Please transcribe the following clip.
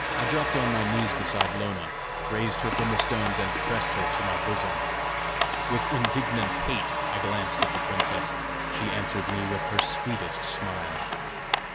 I dropped on my knees beside Lona, raised her from the stones, and pressed her to my bosom. With indignant hate I glanced at the princess; she answered me with her sweetest smile.